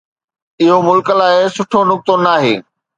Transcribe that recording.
اِهو ملڪ لاءِ سٺو نُڪتو ناهي.